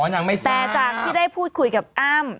อ๋อนางไม่ทราบแต่จากที่ได้พูดคุยกับอ้ำ